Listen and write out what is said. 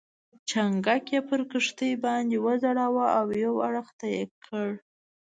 چنګک یې پر کښتۍ باندې وځړاوه او یو اړخ ته یې کړ.